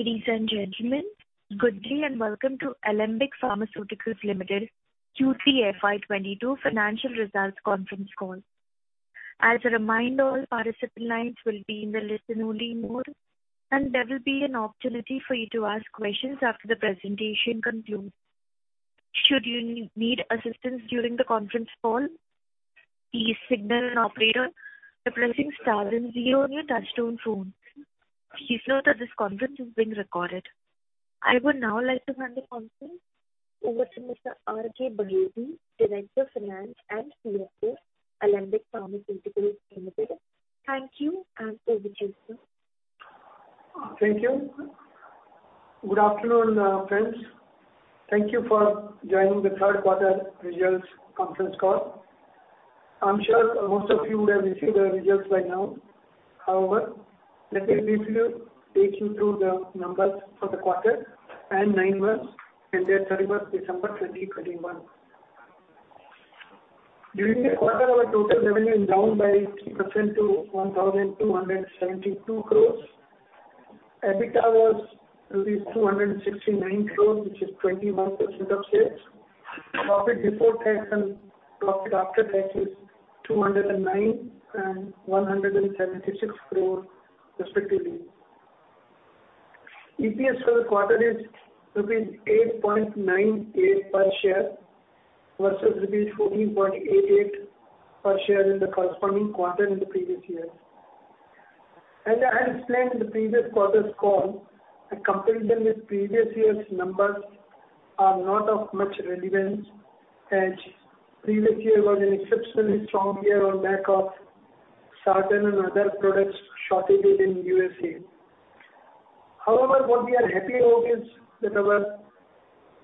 Ladies and gentlemen, good day, and welcome to Alembic Pharmaceuticals Limited Q3 FY 2022 Financial Results Conference Call. As a reminder, participant lines will be in the listen-only mode, and there will be an opportunity for you to ask questions after the presentation concludes. Should you need assistance during the conference call, please signal an operator by pressing star and zero on your touchtone phone. Please note that this conference is being recorded. I would now like to hand the conference over to Mr. R.K. Baheti, Director – Finance & CFO, Alembic Pharmaceuticals Limited. Thank you and over to you, sir. Thank you. Good afternoon, friends. Thank you for joining the Q3 results conference call. I'm sure most of you would have received the results by now. However, let me briefly take you through the numbers for the quarter and nine months ended 31 December 2021. During the quarter, our total revenue is down by 3% to 1,272 crores. EBITDA was 269 crores, which is 21% of sales. Profit before tax and profit after tax is 209 and 176 crores respectively. EPS for the quarter is rupees 8.98 per share versus rupees 14.88 per share in the corresponding quarter in the previous year. As explained in the previous quarter's call, a comparison with previous year's numbers are not of much relevance as previous year was an exceptionally strong year on back of certain and other products shortages in US However, what we are happy about is that our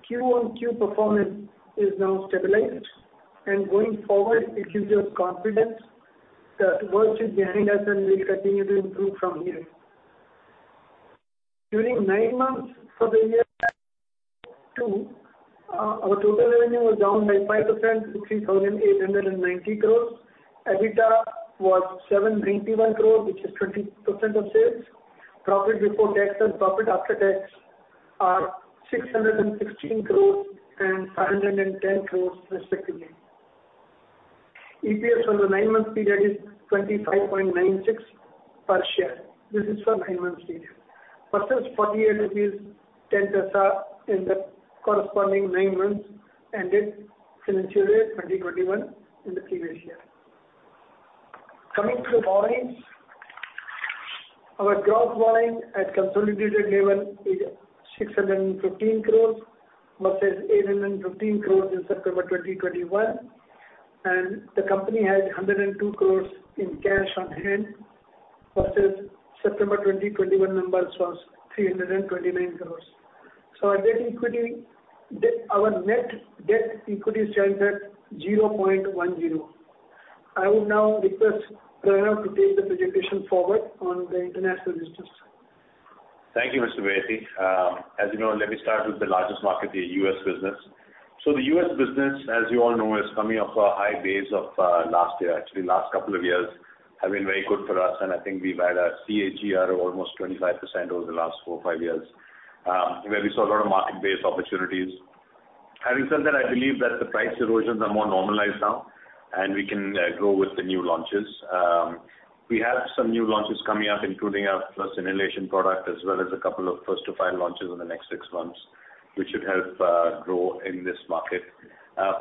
quarter-on-quarter performance is now stabilized and going forward it gives us confidence that worst is behind us and we're starting to improve from here. During nine months for the year 2022, our total revenue was down by 5% to 3,890 crore. EBITDA was 791 crore, which is 20% of sales. Profit before tax and profit after tax are 616 crore and 510 crore respectively. EPS for the nine-month period is 25.96 per share. This is for 9 months period versus 48.10 in the corresponding 9 months ended financial year 2021 in the previous year. Coming to borrowings. Our gross borrowing at consolidated level is 615 crore versus 815 crore in September 2021, and the company has 102 crore in cash on hand versus September 2021 numbers was 329 crore. Our debt equity. Our net debt equity stands at 0.10. I would now request Shaunak to take the presentation forward on the international business. Thank you, Mr. Baheti. As you know, let me start with the largest market, the US business. The US business, as you all know, is coming off a high base of last year. Actually, last couple of years have been very good for us, and I think we've had a CAGR of almost 25% over the last four or five years, where we saw a lot of market-based opportunities. Having said that, I believe that the price erosions are more normalized now and we can grow with the new launches. We have some new launches coming up, including our first inhalation product as well as a couple of first to file launches in the next six months, which should help grow in this market.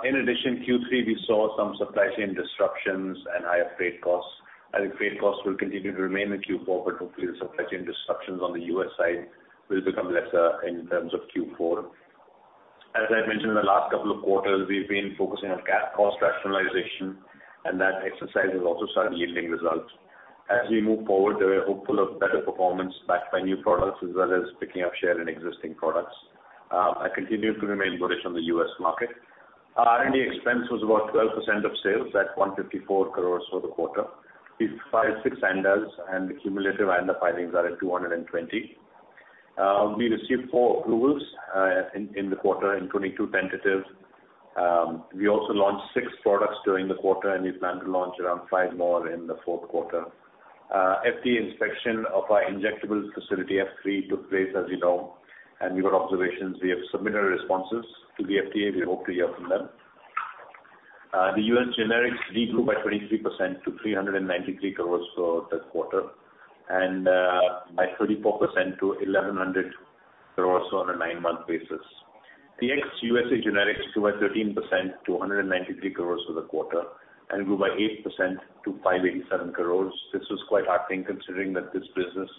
In addition, Q3 we saw some supply chain disruptions and higher freight costs. I think freight costs will continue to remain in Q4, but hopefully the supply chain disruptions on the US side will become lesser in terms of Q4. As I've mentioned in the last couple of quarters, we've been focusing on cost rationalization and that exercise has also started yielding results. As we move forward, we are hopeful of better performance backed by new products as well as picking up share in existing products. I continue to remain bullish on the US market. Our R&D expense was about 12% of sales at 154 crore for the quarter. We filed six ANDAs, and the cumulative ANDA filings are at 220. We received four approvals in the quarter and 22 tentatives. We also launched six products during the quarter, and we plan to launch around five more in the Q4. FDA inspection of our injectables facility, F3, took place, as you know, and we got observations. We have submitted our responses to the FDA. We hope to hear from them. The US generics grew by 23% to 393 crores for this quarter and by 34% to 1,100 crores on a nine-month basis. The ex-USA. generics grew by 13% to 193 crores for the quarter and grew by 8% to 587 crores. This is quite heartening considering that this business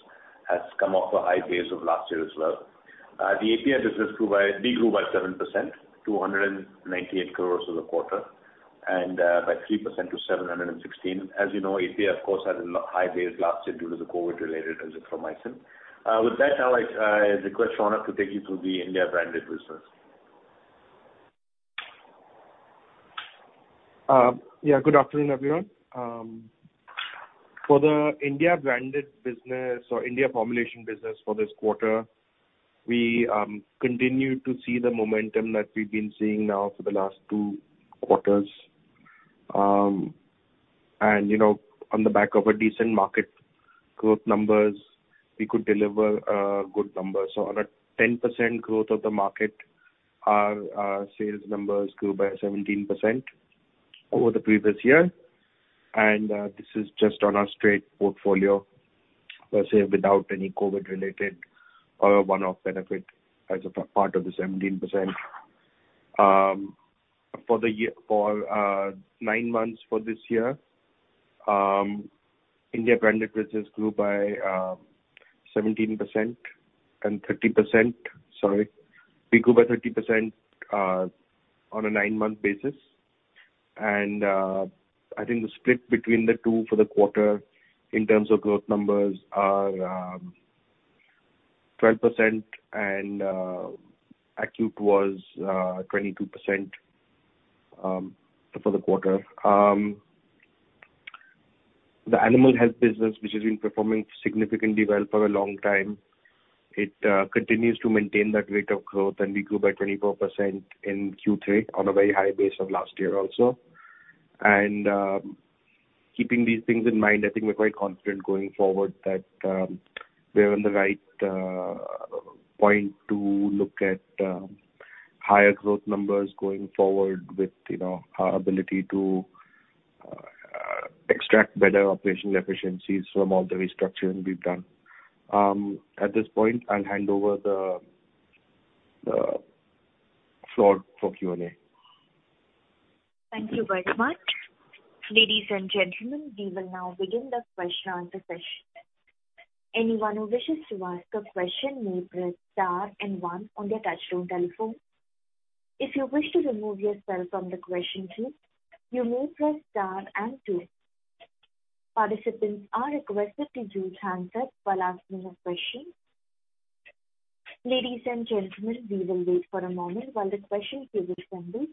has come off a high base of last year as well. The API business grew by 7% to 198 crores for the quarter and by 3% to 716 crores. As you know, API of course, had a high base last year due to the COVID related azithromycin. With that, now I request Shaunak to take you through the India branded business. Yeah, good afternoon, everyone. For the India branded business or India formulation business for this quarter, we continue to see the momentum that we've been seeing now for the last two quarters. You know, on the back of a decent market growth numbers, we could deliver good numbers. On a 10% growth of the market, our sales numbers grew by 17% over the previous year. This is just on our straight portfolio, let's say, without any COVID related or one-off benefit as a part of the 17%. For 9 months for this year, India branded business grew by 17% and 30%. Sorry. We grew by 30% on a 9-month basis. I think the split between the two for the quarter in terms of growth numbers are 12% and Acute was 22% for the quarter. The animal health business, which has been performing significantly well for a long time, continues to maintain that rate of growth, and we grew by 24% in Q3 on a very high base of last year also. Keeping these things in mind, I think we're quite confident going forward that we're on the right point to look at higher growth numbers going forward with, you know, our ability to extract better operational efficiencies from all the restructuring we've done. At this point I'll hand over the floor for Q&A. Thank you very much. Ladies and gentlemen, we will now begin the question and answer session. Anyone who wishes to ask a question may press star and one on their touchtone telephone. If you wish to remove yourself from the question queue, you may press star and two. Participants are requested to mute handset while asking a question. Ladies and gentlemen, we will wait for a moment while the questions are responding.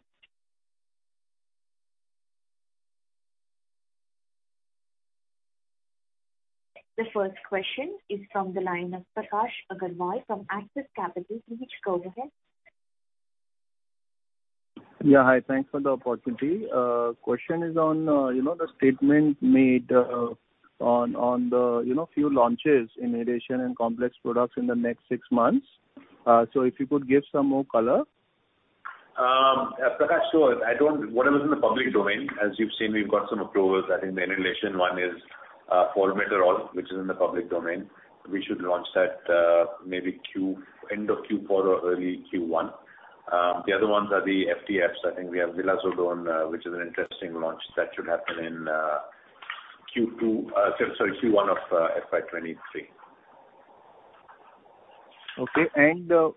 The first question is from the line of Prakash Agarwal from Axis Capital. Please go ahead. Yeah. Hi. Thanks for the opportunity. Question is on, you know, the statement made on the, you know, few launches in inhalation and complex products in the next six months. So if you could give some more color. Prakash, sure. Whatever's in the public domain, as you've seen, we've got some approvals. I think the inhalation one is formoterol, which is in the public domain. We should launch that, maybe end of Q4 or early Q1. The other ones are the FTFs. I think we have vilazodone, which is an interesting launch that should happen in Q1 of FY 2023. Okay.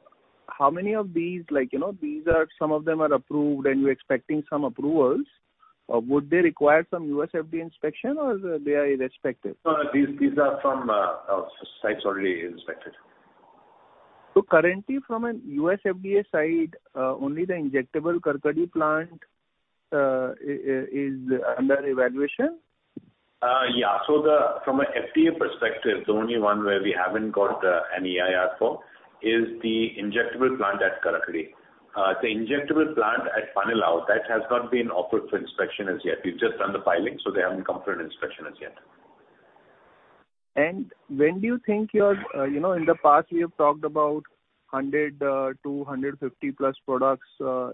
How many of these, like, you know, these are some of them are approved and you're expecting some approvals. Would they require some USFDA inspection or they are inspected? No, these are from sites already inspected. Currently from a USFDA side, only the injectable Karkhadi plant is under evaluation? From an FDA perspective, the only one where we haven't got an EIR for is the injectable plant at Karkhadi. The injectable plant at Panelav has not been offered for inspection as yet. We've just done the filing, so they haven't come for an inspection as yet. When do you think, you know, in the past we have talked about 100-150+ products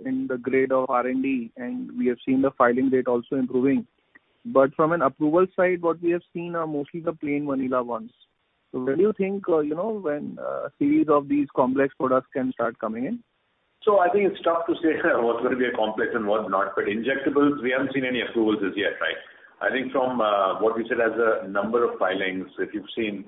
in the pipeline of R&D, and we have seen the filing date also improving. From an approval side, what we have seen are mostly the plain vanilla ones. When do you think, you know, when a series of these complex products can start coming in? I think it's tough to say what's going to be a complex and what not. Injectables we haven't seen any approvals as yet right? I think from what we said as a number of filings, if you've seen,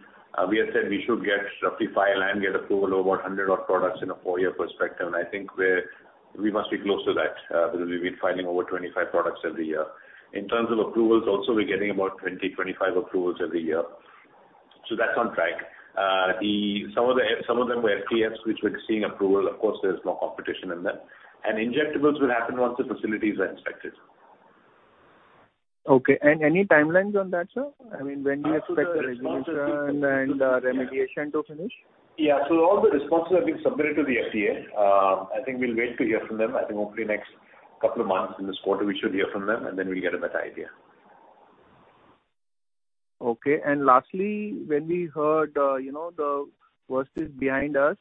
we have said we should get roughly file and get approval over 100 odd products in a four-year perspective. I think we must be close to that, because we've been filing over 25 products every year. In terms of approvals also we're getting about 25 approvals every year. That's on track. Some of them were FTFs which we're seeing approval. Of course, there's more competition in them. Injectables will happen once the facilities are inspected. Okay. Any timelines on that, sir? I mean, when do you expect the resignation and remediation to finish? Yeah. All the responses have been submitted to the FDA. I think we'll wait to hear from them. I think hopefully next couple of months in this quarter we should hear from them, and then we'll get a better idea. Okay. Lastly, when we heard, you know, the worst is behind us,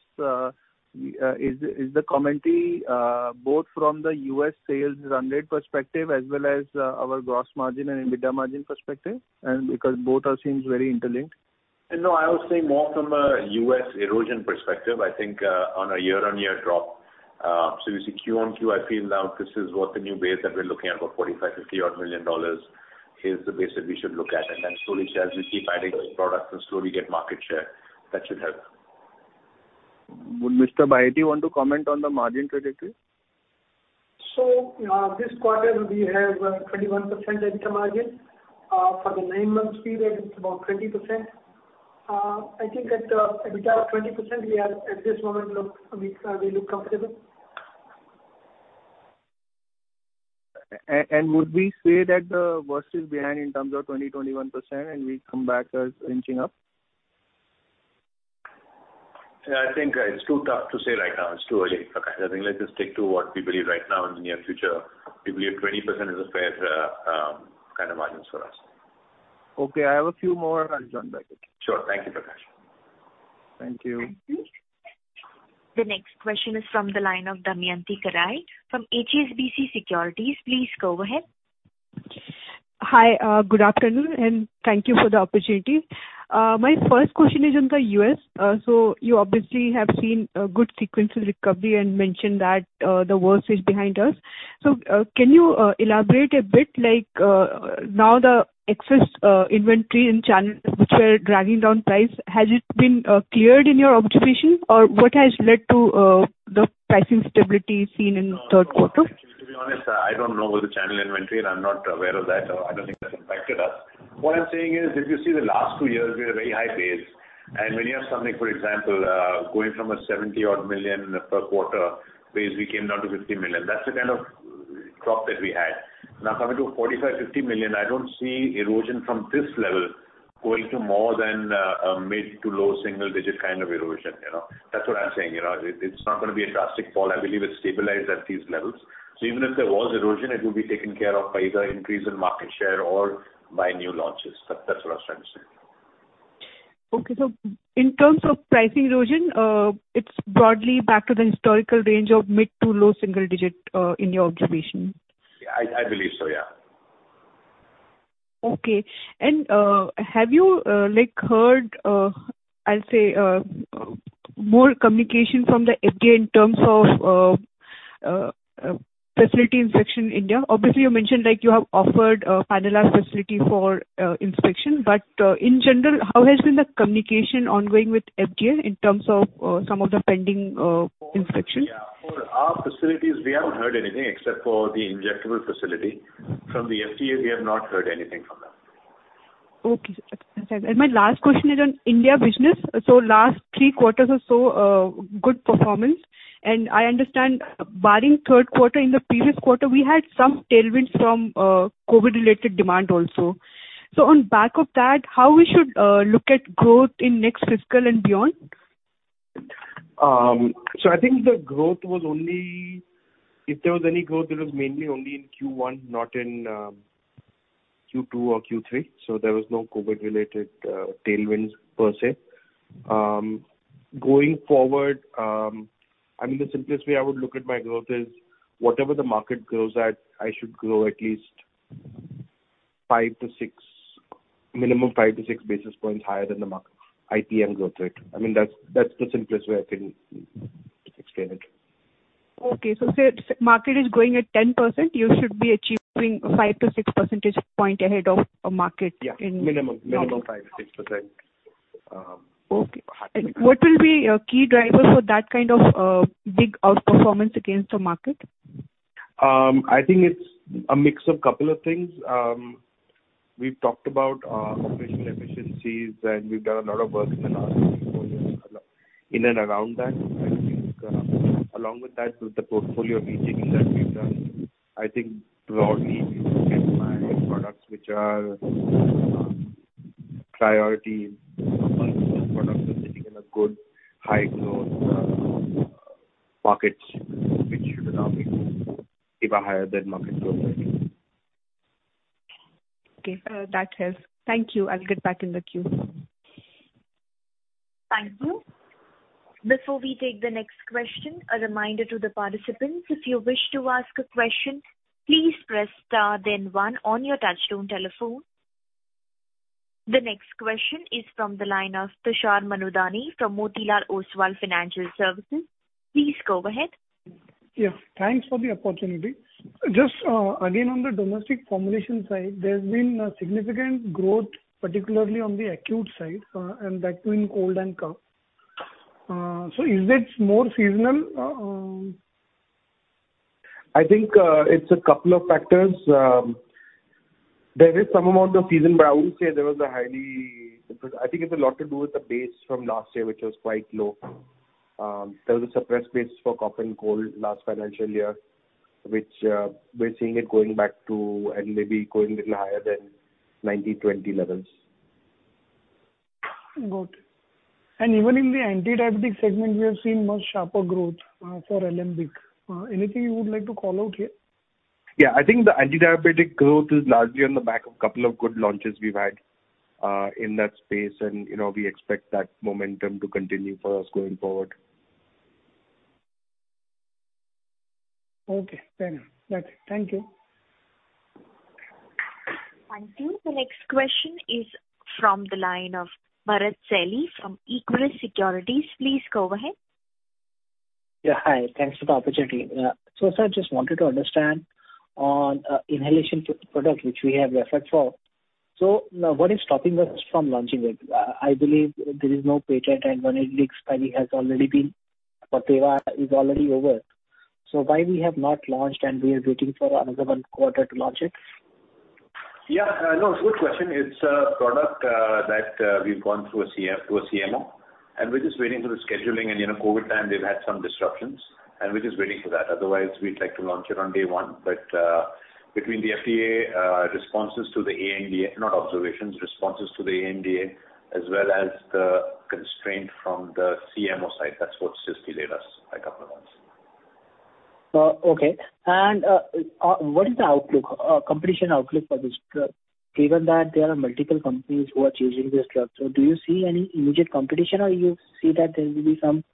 is the commentary, both from the US sales run rate perspective as well as our gross margin and EBITDA margin perspective and because both are seems very interlinked. No, I would say more from a US erosion perspective, I think, on a year-on-year drop, so you see Q-on-Q, I feel now this is what the new base that we're looking at, about $45 to 50 million is the base that we should look at. Slowly as we keep adding products and slowly get market share, that should help. Would Mr. Baheti want to comment on the margin trajectory? This quarter we have 21% EBITDA margin. For the nine months period, it's about 20%. I think at EBITDA of 20%, we look comfortable. Would we say that the worst is behind in terms of 20% to 21% and we come back as inching up? Yeah, I think it's too tough to say right now. It's too early, Prakash. I think let's just stick to what we believe right now in the near future. We believe 20% is a fair kind of margins for us. Okay. I have a few more. I'll join back. Sure. Thank you, Prakash. Thank you. Thank you. The next question is from the line of Damayanti Kerai from HSBC Securities. Please go ahead. Hi. Good afternoon, and thank you for the opportunity. My first question is on the US You obviously have seen a good sequential recovery and mentioned that the worst is behind us. Can you elaborate a bit like now the excess inventory in channel which were dragging down price has it been cleared in your observation, or what has led to the pricing stability seen in the Q3? To be honest, I don't know the channel inventory. I'm not aware of that. I don't think that's impacted us. What I'm saying is, if you see the last two years, we had a very high base, and when you have something, for example, going from a $70-odd million per quarter base, we came down to $50 million. That's the kind of drop that we had. Now, coming to $45 to 50 million, I don't see erosion from this level going to more than a mid- to low-single-digit kind of erosion, you know. That's what I'm saying. You know, it's not gonna be a drastic fall. I believe it's stabilized at these levels. Even if there was erosion, it will be taken care of by either increase in market share or by new launches. That's what I was trying to say. Okay. In terms of pricing erosion, it's broadly back to the historical range of mid- to low-single-digit%, in your observation. I believe so, yeah. Okay. Have you like heard, I'll say, more communication from the FDA in terms of facility inspections in India? Obviously, you mentioned like you have offered a Panelav facility for inspection. In general, how has the communication been ongoing with FDA in terms of some of the pending inspections? Yeah. For our facilities, we haven't heard anything except for the injectable facility. From the FDA, we have not heard anything from them. Okay. My last question is on India business. Last three quarters or so, good performance. I understand barring Q3, in the previous quarter, we had some tailwinds from COVID-related demand also. On back of that, how we should look at growth in next fiscal and beyond? I think the growth was only if there was any growth. It was mainly only in Q1, not in Q2 or Q3. There was no COVID-related tailwinds per se. Going forward, I mean, the simplest way I would look at my growth is whatever the market grows at. I should grow at least 5 to 6, minimum 5 to 6 basis points higher than the market IPM growth rate. I mean, that's the simplest way I can explain it. Okay. Say market is growing at 10%, you should be achieving 5 to 6 percentage point ahead of a market in- Yeah. Minimum 5% to 6%. Okay. What will be a key driver for that kind of big outperformance against the market? I think it's a mix of couple of things. We've talked about operational efficiencies, and we've done a lot of work in the last three quarters in and around that. I think along with that, the portfolio re-jigging that we've done. I think broadly if you look at my products which are priority products are sitting in a good high growth markets which should allow me give a higher than market growth rate. Okay. That helps. Thank you. I'll get back in the queue. Thank you. Before we take the next question, a reminder to the participants, if you wish to ask a question, please press star then one on your touchtone telephone. The next question is from the line of Tushar Manudhane from Motilal Oswal Financial Services. Please go ahead. Yes, thanks for the opportunity. Just, again, on the domestic formulation side, there's been a significant growth, particularly on the acute side, and that too in cold and cough. So is it more seasonal? I think it's a couple of factors. There is some amount of seasonality, but I wouldn't say there was. I think it's a lot to do with the base from last year, which was quite low. There was a suppressed base for cough and cold last financial year, which we're seeing it going back to and maybe going a little higher than 2019, 2020 levels. Got it. Even in the anti-diabetic segment, we have seen much sharper growth for Alembic. Anything you would like to call out here? Yeah. I think the anti-diabetic growth is largely on the back of couple of good launches we've had, in that space, and you know, we expect that momentum to continue for us going forward. Okay. Fair enough. Got it. Thank you. Thank you. The next question is from the line of Bharat Celly from Equirus Securities. Please go ahead. Yeah. Hi. Thanks for the opportunity. Sir, just wanted to understand on inhalation product, which we have referred for. What is stopping us from launching it? I believe there is no patent, and when it expires, I mean, has already been for Teva is already over. Why we have not launched and we are waiting for another one quarter to launch it? Yeah. No, it's a good question. It's a product that we've gone through a CDMO, through a CMO, and we're just waiting for the scheduling. You know, COVID time, they've had some disruptions. We're just waiting for that. Otherwise, we'd like to launch it on day one. Between the FDA responses to the ANDA, not observations, responses to the ANDA, as well as the constraint from the CMO side, that's what's just delayed us by a couple of months. What is the outlook, competition outlook for this drug, given that there are multiple companies who are chasing this drug? Do you see any immediate competition or you see that there will be some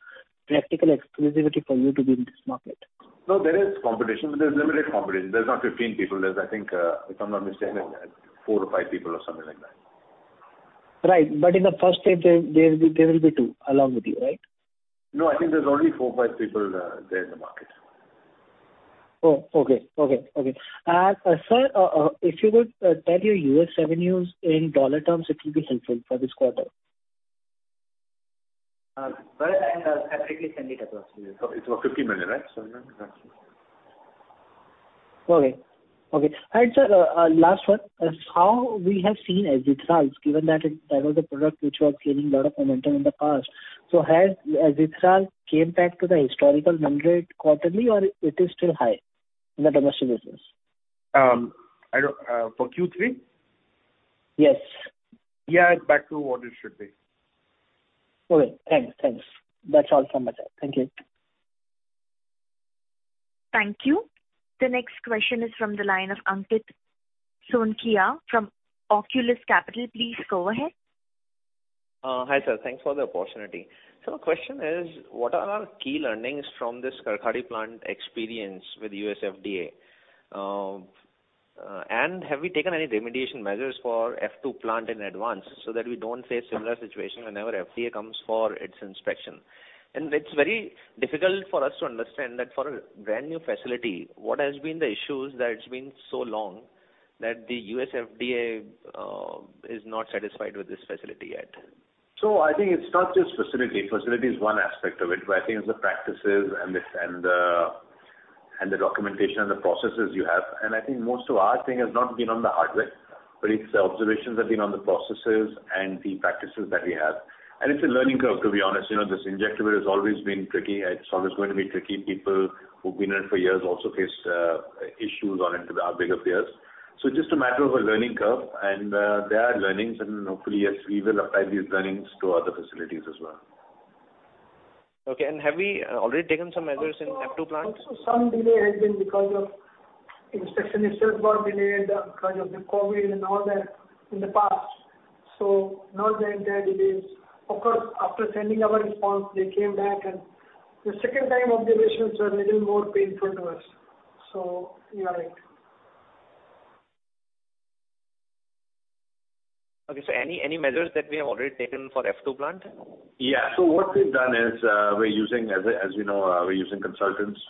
practical exclusivity for you to be in this market? No, there is competition. There's limited competition. There's not 15 people. There's I think, if I'm not mistaken, four or five people or something like that. Right. In the first stage, there will be two along with you, right? No, I think there's only four or five people there in the market. Oh, okay. Sir, if you would tell your US revenues in dollar terms, it will be helpful for this quarter. Bharat, I'll separately send it across to you. It's about $50 million, right, Shaunak? Roughly. Okay. Sir, last one. As we have seen Azithral, given that it was a product which was gaining a lot of momentum in the past. Has Azithral came back to the historical number quarterly or it is still high in the domestic business? I don't for Q3? Yes. Yeah, it's back to what it should be. Okay. Thanks. That's all from my side. Thank you. Thank you. The next question is from the line of Ankit Sonkhiya from Oculus Capital. Please go ahead. Hi, sir. Thanks for the opportunity. My question is, what are our key learnings from this Karkhadi plant experience with US FDA? Have we taken any remediation measures for F2 plant in advance so that we don't face similar situation whenever FDA comes for its inspection? It's very difficult for us to understand that for a brand new facility, what has been the issues that it's been so long that the US FDA is not satisfied with this facility yet. I think it's not just facility. Facility is one aspect of it. I think it's the practices and the documentation and the processes you have. I think most of our thing has not been on the hardware, but the observations have been on the processes and the practices that we have. It's a learning curve, to be honest. You know, this injectable has always been tricky. It's always going to be tricky. People who've been in it for years also faced issues on it, our big peers. Just a matter of a learning curve, and there are learnings and hopefully, yes, we will apply these learnings to other facilities as well. Okay. Have we already taken some measures in F2 plant? Also, some delay has been because of the inspection itself got delayed because of the COVID and all that in the past. Not the entire delays. Of course, after sending our response, they came back and the second time observations are a little more painful to us. You are right. Okay. Any measures that we have already taken for F2 plant? Yeah. What we've done is, we're using, as you know, consultants.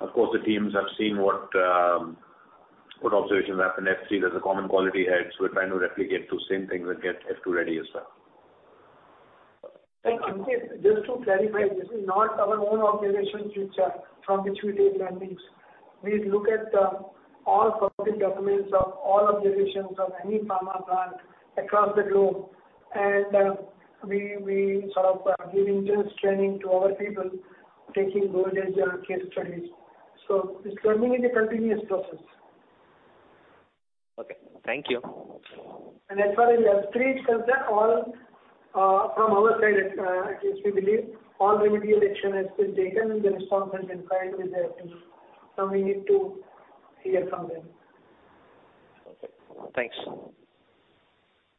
Of course, the teams have seen what observations happened in F3. There's a common quality heads. We're trying to replicate those same things and get F2 ready as well. Ankit, just to clarify, this is not our own observations which are from which we take learnings. We look at all public documents of all observations of any pharma plant across the globe. We sort of give intense training to our people taking advantage of case studies. This learning is a continuous process. Okay. Thank you. As far as 483 is concerned, all from our side, at least we believe all remedial action has been taken, and the response has been filed with the FDA. Now we need to hear from them. Okay. Thanks.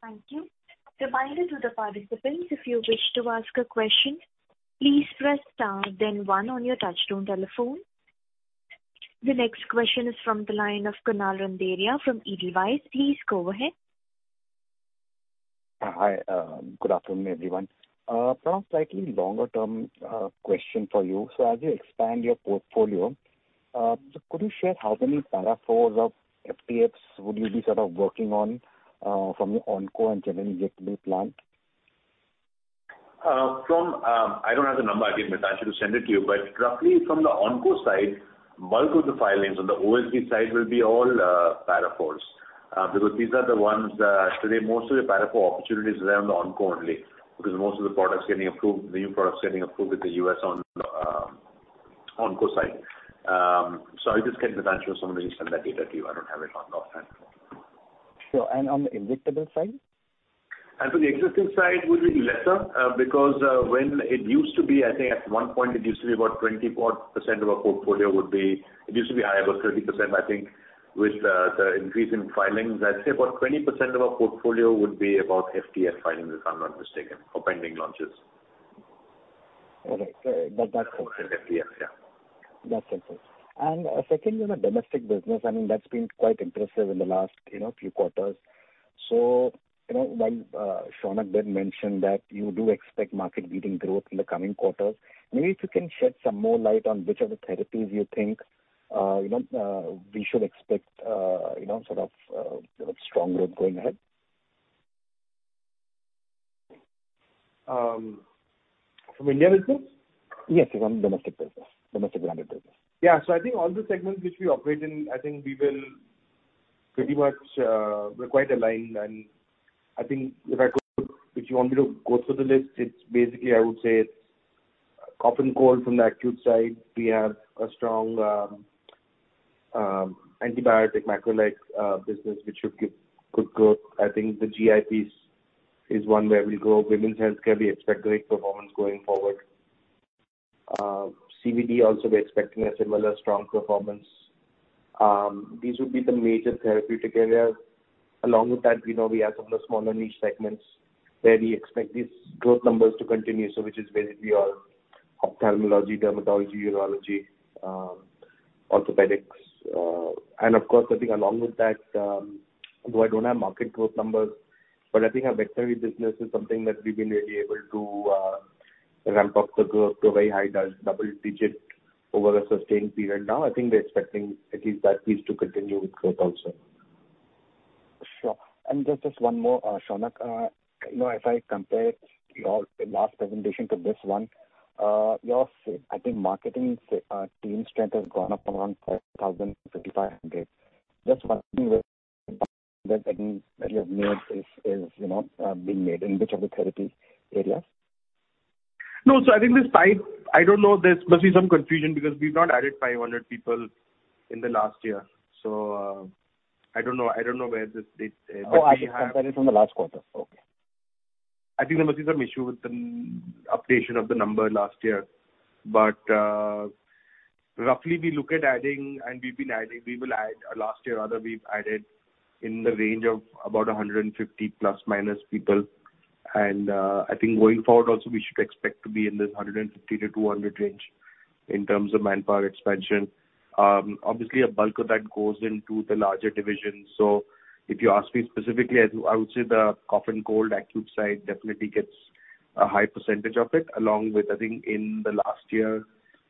Thank you. Reminders to the participants, if you wish to ask a question, please press star then one on your touchtone telephone. The next question is from the line of Kunal Randeria from Edelweiss. Please go ahead. Hi. Good afternoon, everyone. From a slightly longer term question for you. As you expand your portfolio, could you share how many Para 4 or FTFs would you be sort of working on from your onco and general injectable plant? I don't have the number. I'll get Mitanshu to send it to you. Roughly from the onco side, bulk of the filings on the OSD side will be all Para 4s because these are the ones today most of the Para 4 opportunities lie on the onco only because most of the new products getting approved in the US on the onco side. I'll just get Mitanshu or someone to just send that data to you. I don't have it offline. Sure. On the injectable side? The injectable side will be lesser, because when it used to be, I think at one point it used to be about 20-odd% of our portfolio would be, it used to be high, about 30%. I think with the increase in filings, I'd say about 20% of our portfolio would be about FTF filings, if I'm not mistaken, or pending launches. All right. FTF. Yeah. That's helpful. Secondly on the domestic business, I mean, that's been quite impressive in the last, you know, few quarters. You know, while Shaunak did mention that you do expect market-leading growth in the coming quarters, maybe if you can shed some more light on which of the therapies you think, you know, we should expect, you know, sort of strong growth going ahead. From India business? Yes, from domestic business, domestic branded business. Yeah. I think all the segments which we operate in, I think we'll pretty much, we're quite aligned. I think if you want me to go through the list, it's basically I would say it's cough and cold from the acute side. We have a strong antibiotic macrolides business, which should give good growth. I think the GI is one where we grow. Women's healthcare, we expect great performance going forward. CVD also we're expecting a similar strong performance. These would be the major therapeutic areas. Along with that, you know, we have some of the smaller niche segments where we expect these growth numbers to continue, so which is basically our ophthalmology, dermatology, urology, orthopedics. Of course, I think along with that, although I don't have market growth numbers, but I think our veterinary business is something that we've been really able to ramp up the growth to a very high double digit over a sustained period now. I think we're expecting at least that piece to continue with growth also. Sure. Just one more, Shaunak. You know, if I compare your last presentation to this one, your, I think, marketing team strength has gone up around 500-550. Just wondering where that you have made is being made, in which of the therapy areas? No. I think I don't know. There must be some confusion because we've not added 500 people in the last year. I don't know where this data Oh, I compared it from the last quarter. Okay. I think there must be some issue with the mis-updation of the number last year. Roughly we look at adding, and we've been adding, we will add. Last year rather we've added in the range of about 150 ± people. I think going forward also we should expect to be in this 150 to 200 range in terms of manpower expansion. Obviously a bulk of that goes into the larger divisions. If you ask me specifically, I would say the cough and cold acute side definitely gets a high percentage of it, along with, I think in the last year,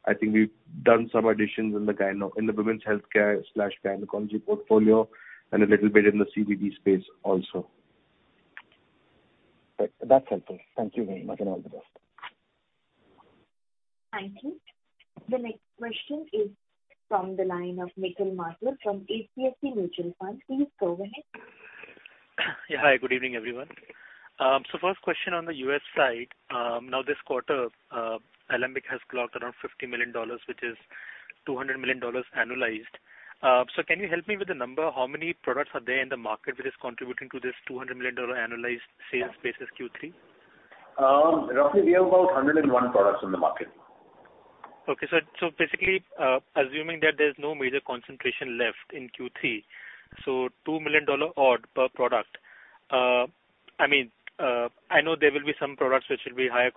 I think we've done some additions in the women's healthcare/gynecology portfolio and a little bit in the CVD space also. That's helpful. Thank you very much, and all the best. Thank you. The next question is from the line of Nikhil Mathur from HDFC Mutual Fund. Please go ahead. Yeah, hi. Good evening, everyone. First question on the US side. Now this quarter, Alembic has clocked around $50 million, which is $200 million annualized. Can you help me with the number, how many products are there in the market that is contributing to this $200 million annualized sales basis Q3? Roughly we have about 101 products in the market. Basically, assuming that there's no major concentration left in Q3, $2 million odd per product. I mean, I know there will be some products which will be higher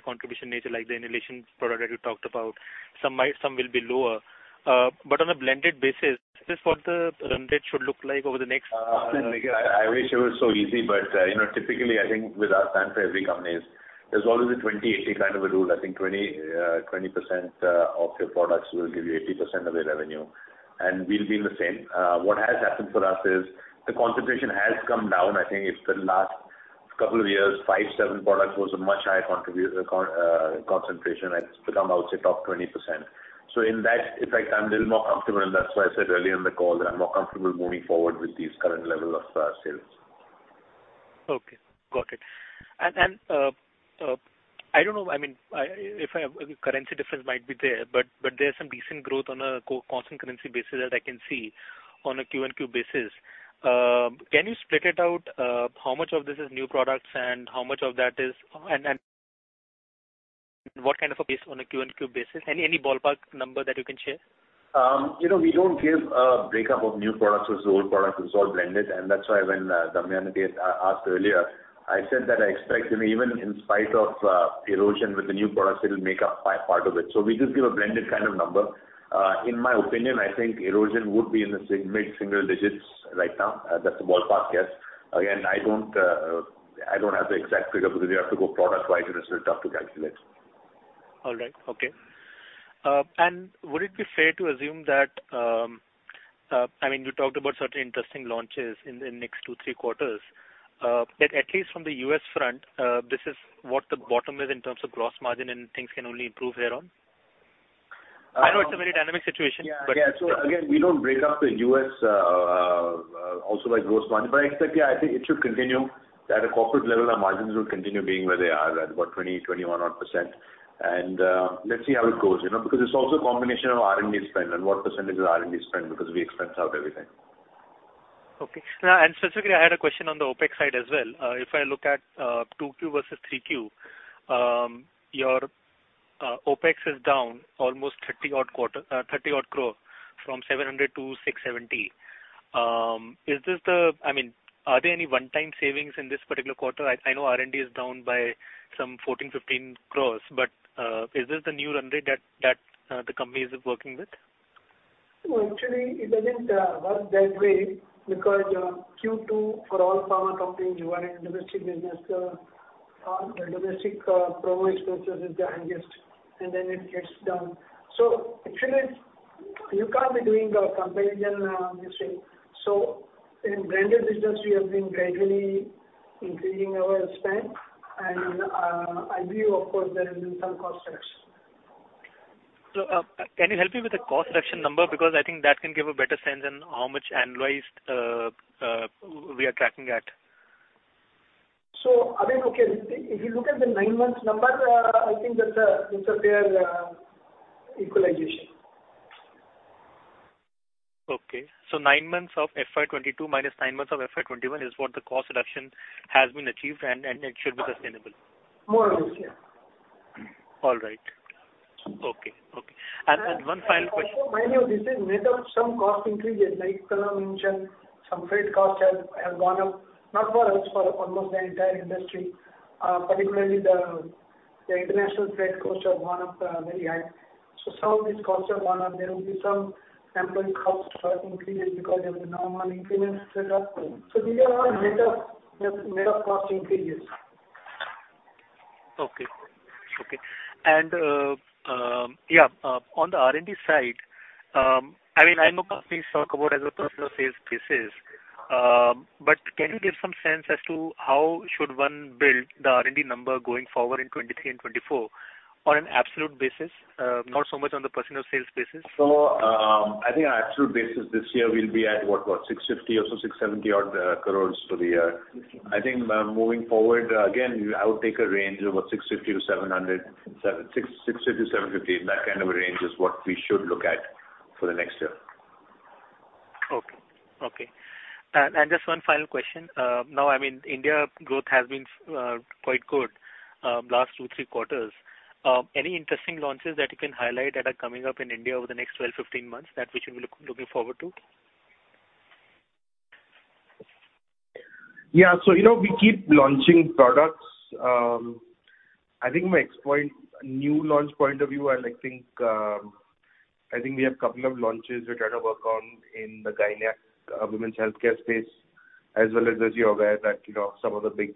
contribution nature, like the inhalation product that you talked about. Some might, some will be lower. But on a blended basis, is this what the run rate should look like over the next? I wish it was so easy, but you know, typically I think with our plan for every company is there's always a 20 to 80 kind of a rule. I think 20% of your products will give you 80% of the revenue, and we'll be the same. What has happened for us is the concentration has come down. I think it's the last couple of years, 5 to 7 products was a much higher concentration. It's become, I would say, top 20%. In that effect, I'm a little more comfortable, and that's why I said earlier in the call that I'm more comfortable moving forward with these current level of sales. Okay. Got it. I don't know, I mean, if a currency difference might be there, but there's some decent growth on a constant currency basis that I can see on a Q and Q basis. Can you split it out, how much of this is new products and how much of that is, and what kind of a base on a Q and Q basis? Any ballpark number that you can share? You know, we don't give a breakup of new products versus old products. It's all blended. That's why when Damayanti asked earlier, I said that I expect, you know, even in spite of erosion with the new products, it'll make up five part of it. We just give a blended kind of number. In my opinion, I think erosion would be in the mid-single digits right now. That's a ballpark guess. Again, I don't have the exact figure because you have to go product-wide and it's a little tough to calculate. All right. Okay. Would it be fair to assume that, I mean, you talked about certain interesting launches in the next two, three quarters. At least from the US front, this is what the bottom is in terms of gross margin and things can only improve thereon. I know it's a very dynamic situation. Again, we don't break up the US also by gross margin. I expect. I think it should continue. At a corporate level, our margins will continue being where they are at about 20% to 21%. Let's see how it goes, you know. Because it's also a combination of R&D spend and what percentage of R&D spend because we expense out everything. Okay. Specifically, I had a question on the OpEx side as well. If I look at 2Q versus 3Q, your OpEx is down almost 30-odd crore from 700 crore to 670 crore. I mean, are there any one-time savings in this particular quarter? I know R&D is down by some 14-15 crore, but is this the new run rate that the company is working with? No, actually, it doesn't work that way because Q2 for all pharma companies who are in domestic business, our domestic promo expenses is the highest, and then it gets down. Actually, you can't be doing the comparison, you see. In branded business, we have been gradually increasing our spend. I believe of course there has been some cost cuts. Can you help me with the cost reduction number? Because I think that can give a better sense in how much annualized we are tracking at. I mean, okay. If you look at the nine months number, I think that it's a fair equalization. Okay. 9 months of FY 2022 minus nine months of FY 2021 is what the cost reduction has been achieved and it should be sustainable. More or less, yeah. All right. Okay. One final question. Also mind you, this is made of some cost increases, like Pranav mentioned, some freight costs have gone up, not for us, for almost the entire industry. Particularly the international freight costs have gone up very high. Some of these costs have gone up. There will be some employee cost increase because of the normal increments set up. These are all made of cost increases. Okay. On the R&D side, I mean, I know companies talk about as a percentage sales basis. Can you give some sense as to how should one build the R&D number going forward in 2023 and 2024 on an absolute basis, not so much on the percentage sales basis? I think our absolute basis this year will be about 650 or so, 670 odd crores for the year. I think moving forward, again, I would take a range of about 650 to 700, 650 to 750 crores. That kind of a range is what we should look at for the next year. Okay. Just one final question. Now, I mean, India growth has been quite good last two to three quarters. Any interesting launches that you can highlight that are coming up in India over the next 12 to 15 months that we should be looking forward to? Yeah. You know, we keep launching products. I think from a new launch point of view, I think we have a couple of launches we're trying to work on in the gynec women's healthcare space, as well as you're aware that, you know, some of the big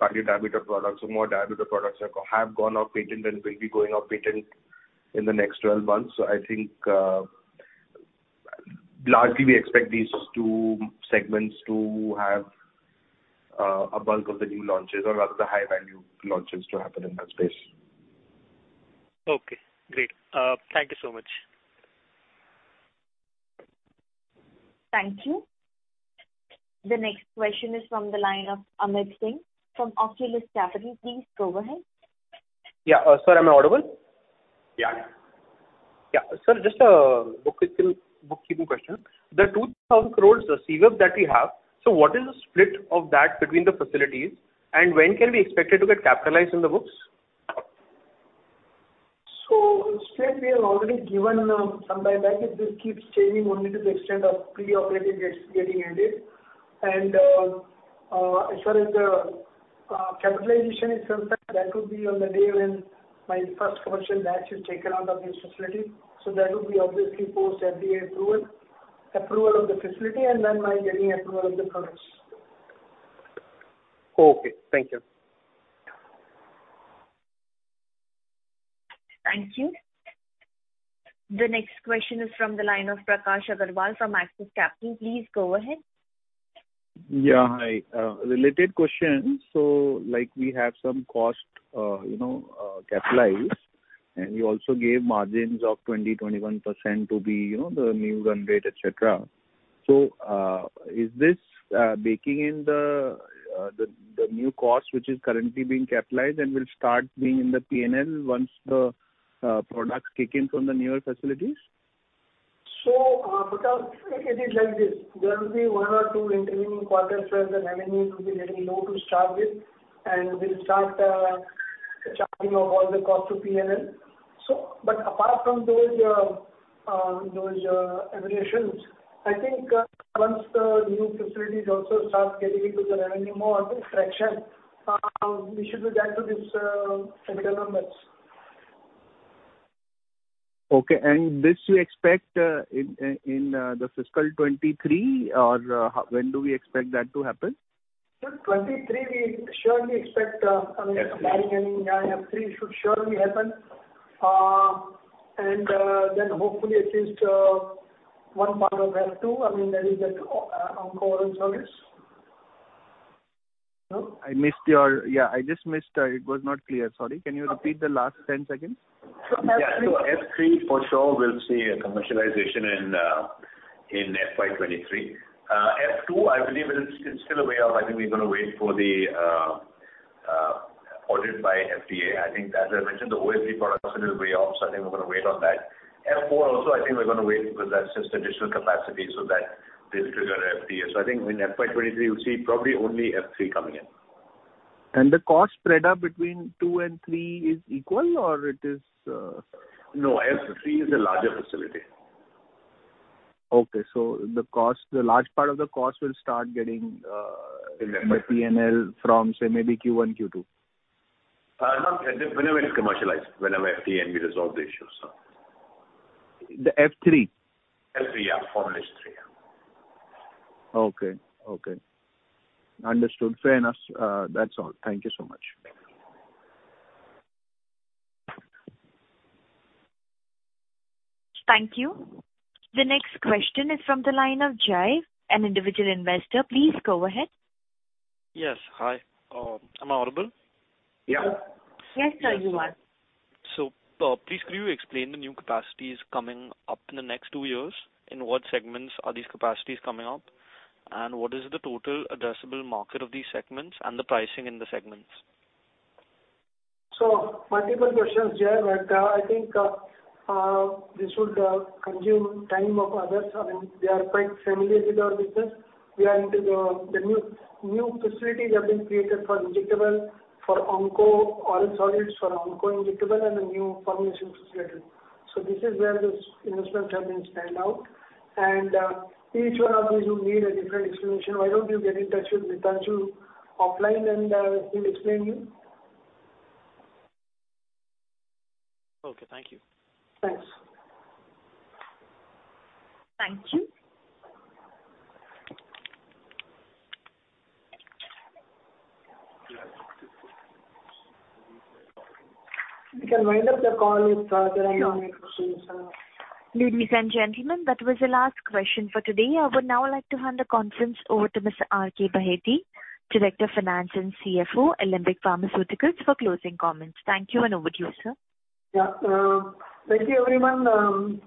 cardio diabetic products or more diabetic products have gone off patent and will be going off patent in the next 12 months. I think largely we expect these two segments to have a bulk of the new launches or rather the high value launches to happen in that space. Okay, great. Thank you so much. Thank you. The next question is from the line of Amit Singh from Oculus Capital. Please go ahead. Yeah. Sir, am I audible? Yeah. Yeah. Sir, just a bookkeeping question. The 2,000 crore receivables that we have, so what is the split of that between the facilities and when can we expect it to get capitalized in the books? In split, we have already given some time back. It just keeps changing only to the extent of pre-operative getting ended. As far as the capitalization is concerned, that could be on the day when my first commercial batch is taken out of this facility. That would be obviously post FDA approval of the facility and then my getting approval of the products. Okay. Thank you. Thank you. The next question is from the line of Prakash Agarwal from Axis Capital. Please go ahead. Hi. Related question. Like, we have some cost, you know, capitalized, and you also gave margins of 20%-21% to the, you know, the new run rate, et cetera. Is this baking in the new cost, which is currently being capitalized and will start being in the P&L once the products kick in from the newer facilities? Prakash, it is like this. There will be one or two intervening quarters where the revenue will be very low to start with, and we'll start charging of all the cost to P&L. But apart from those aberrations, I think once the new facilities also start getting into the revenue more, the traction, we should be back to this similar numbers. Okay. This you expect in the fiscal 2023? Or, when do we expect that to happen? Sir, 2023 we surely expect, I mean, barring any, F3 should surely happen. Then hopefully at least one part of F2, I mean, that is onco oral solids. No? I just missed. It was not clear. Sorry. Can you repeat the last 10 seconds? So F3- Yeah. F3 for sure we'll see a commercialization in FY 2023. F2 I believe is still a way off. I think we're gonna wait for the audit by FDA. I think that as I mentioned, the OS3 products it is way off, so I think we're gonna wait on that. F4 also, I think we're gonna wait because that's just additional capacity so that they trigger FDA. I think in FY 2023 you'll see probably only F3 coming in. The cost spread out between two and three is equal or it is. No, F3 is a larger facility. Okay. The cost, the large part of the cost will start getting. In FY3. in the P&L from, say, maybe Q1, Q2. Whenever it's commercialized, whenever FDA and we resolve the issues. The F3? F3, yeah. Formula 3, yeah. Okay. Understood. Fair enough. That's all. Thank you so much. Thank you. Thank you. The next question is from the line of Jai, an individual investor. Please go ahead. Yes. Hi. Am I audible? Yeah. Yes, sir, you are. Please could you explain the new capacities coming up in the next two years? In what segments are these capacities coming up? What is the total addressable market of these segments and the pricing in the segments? Multiple questions, Jai, but I think this would consume time of others. I mean, they are quite familiar with our business. The new facilities have been created for injectable, for onco, oral solids, for onco injectable and a new formulation facility. This is where this investment has stood out. Each one of these will need a different explanation. Why don't you get in touch with Mitanshu offline, and he'll explain you. Okay, thank you. Thanks. Thank you. We can wind up the call if there are no more questions. Ladies and gentlemen, that was the last question for today. I would now like to hand the conference over to Mr. R. K. Baheti, Director of Finance and CFO, Alembic Pharmaceuticals, for closing comments. Thank you and over to you, sir. Thank you everyone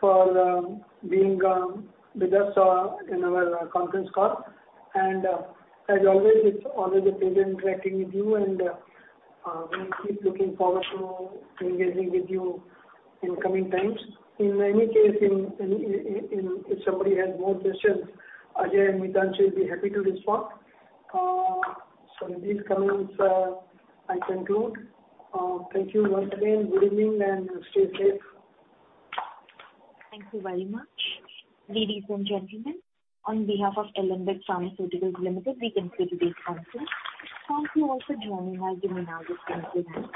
for being with us in our conference call. As always, it's always a pleasure interacting with you and we'll keep looking forward to engaging with you in coming times. In any case, if somebody has more questions, Ajay and Mitanshu will be happy to respond. With these comments, I conclude. Thank you once again. Good evening and stay safe. Thank you very much. Ladies and gentlemen, on behalf of Alembic Pharmaceuticals Limited, we conclude today's conference. Thank you all for joining us in an hour's time today.